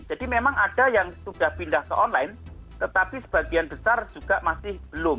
jadi memang ada yang sudah pindah ke online tetapi sebagian besar juga masih belum